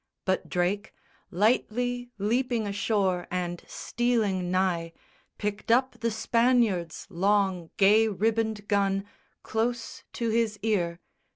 But Drake, Lightly leaping ashore and stealing nigh, Picked up the Spaniard's long gay ribboned gun Close to his ear.